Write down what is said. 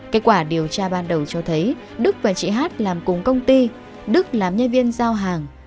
kết quả điều tra ban đầu cho thấy đức và chị hát làm cùng công ty đức làm nhân viên giao hàng